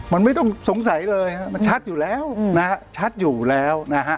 มันไม่ต้องสงสัยเลยมันชัดอยู่แล้ว